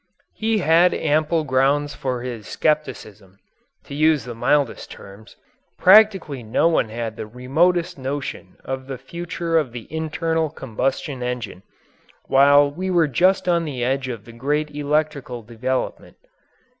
He had ample grounds for his skepticism to use the mildest terms. Practically no one had the remotest notion of the future of the internal combustion engine, while we were just on the edge of the great electrical development.